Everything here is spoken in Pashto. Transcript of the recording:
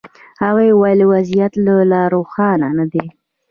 هغوی ویل وضعیت لا روښانه نه دی.